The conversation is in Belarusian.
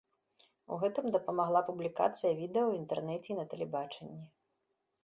У гэтым дапамагла публікацыя відэа ў інтэрнэце і на тэлебачанні.